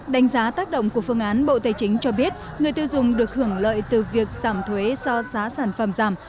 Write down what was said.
đánh giá tác động của phương án bộ tài chính cho biết người tiêu dùng được hưởng lợi từ việc giảm thuế do giá sản phẩm giảm